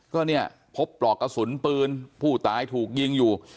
ก็เนี่ยพบปลอกกระสุนปืนผู้ตายถูกยิงอยู่